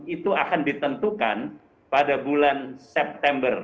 itu akan ditentukan pada bulan september